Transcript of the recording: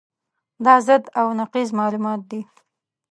دا ضد او نقیض معلومات دي.